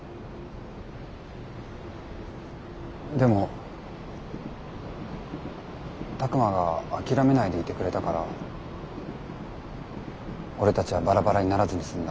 でも拓真が諦めないでいてくれたから俺たちはバラバラにならずに済んだ。